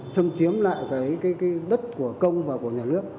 xâm chiếm lại cái đất của công và của nhà nước